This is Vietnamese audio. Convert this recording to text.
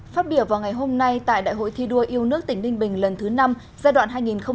phát biểu vào ngày hôm nay tại đại hội thi đua yêu nước tỉnh ninh bình lần thứ năm giai đoạn hai nghìn hai mươi hai nghìn hai mươi năm